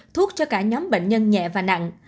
thuốc cho cả nhóm bệnh nhân nhẹ và nặng